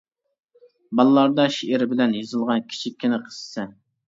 باللادا: شېئىر بىلەن يېزىلغان كىچىككىنە قىسسە.